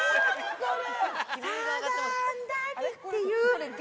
これ。